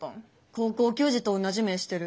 高校球児と同じ目してる。